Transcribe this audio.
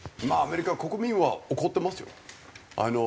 アメリカ国民は怒ってますよ。